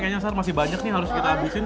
kayaknya sar masih banyak nih harus kita habisin